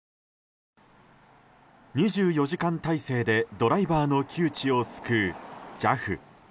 ２４時間態勢でドライバーの窮地を救うＪＡＦ。